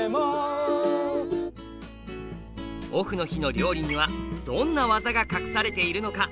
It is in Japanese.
オフの日の料理にはどんな「技」が隠されているのか？